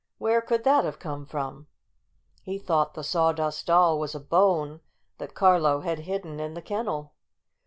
Where could that have come from?" He thought the Sawdust Doll was a bone that Carlo had hidden in the kennel.